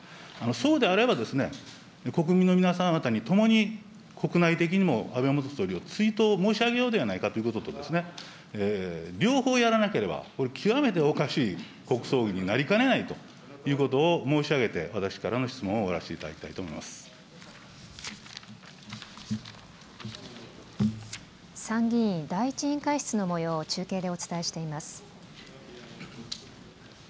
そうであれば、国民の皆さん方に、共に国内的にも安倍元総理を追悼申し上げようではないかということで、両方やらなければ、これ、極めておかしい国葬になりかねないということを申し上げて、私からの質問を終わらせていただきた参議院第１委員会室のもようを中継でお伝えしています。